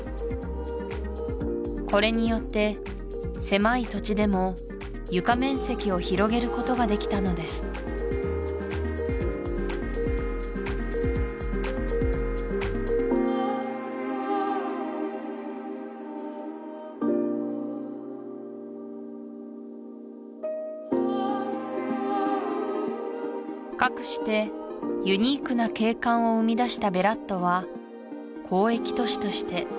これによって狭い土地でも床面積を広げることができたのですかくしてユニークな景観を生み出したベラットは交易都市として栄え続けます